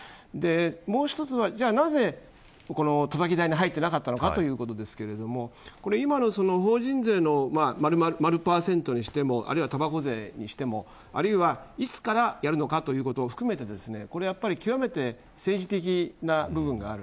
もう一つはなぜ、たたき台に入っていなかったのかということですが今の法人税の〇％にしてもあるいは、たばこ税にしてもあるいは、いつからやるのかということも含めて極めて政治的な部分がある。